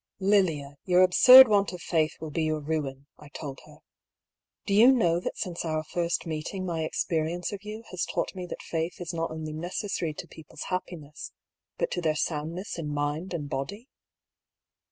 " Lilia, your absurd want of faith will be your ruin," I told her. " Do you know that since our first meeting my experience of you has taught me that Faith is not only necessary to people's happiness, but to their sound ness in mind and body